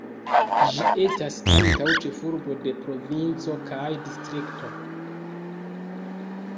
Ĝi estas ankaŭ ĉefurboj de provinco kaj distrikto.